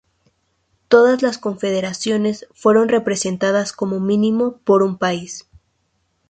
Todas las confederaciones fueron representadas como mínimo por un país.